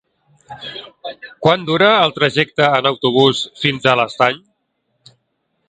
Quant dura el trajecte en autobús fins a l'Estany?